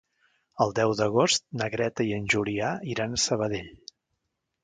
El deu d'agost na Greta i en Julià iran a Sabadell.